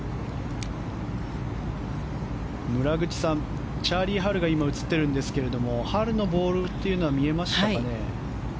村口さん、チャーリー・ハルが今映っているんですがハルのボールは見えましたかね？